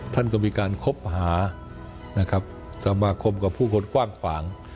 ท่านก็มีการคบหานะครับสมาคมกับผู้คนกว้างขวาง